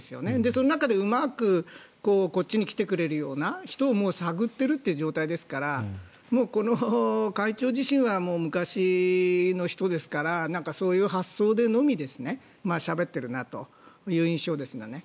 その中でうまくこっちに来てくれるような人を探っているという状態ですからこの会長自身は昔の人ですからそういう発想でのみしゃべっているなという印象ですがね。